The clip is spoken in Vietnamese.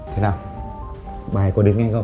thế nào bà ấy có đến ngay không